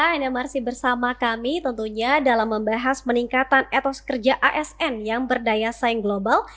anda masih bersama kami tentunya dalam membahas peningkatan etos kerja asn yang berdaya saing global